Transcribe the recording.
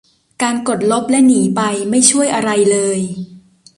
การกดลบและหนีไปไม่ช่วยอะไรเลย